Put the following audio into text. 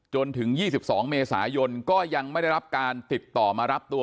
จนถึง๒๒เมษายนก็ยังไม่ได้รับการติดต่อมารับตัว